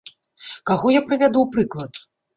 Каго я прывяду ў прыклад?